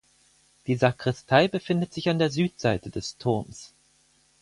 Die Sakristei befindet sich an der Südseite des Turms.